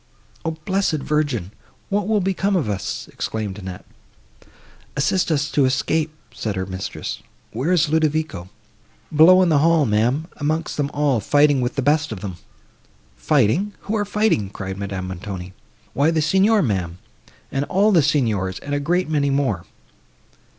"O blessed Virgin! what will become of us?" exclaimed Annette. "Assist us to escape," said her mistress. "Where is Ludovico?" "Below in the hall, ma'am, amongst them all, fighting with the best of them!" "Fighting! Who are fighting?" cried Madame Montoni. "Why the Signor, ma'am, and all the Signors, and a great many more."